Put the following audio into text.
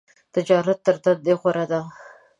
تجارت تر دندی غوره ده .